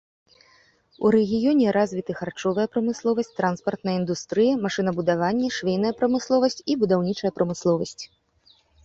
У рэгіёне развіты харчовая прамысловасць, транспартная індустрыя, машынабудаванне, швейная прамысловасць і будаўнічая прамысловасць.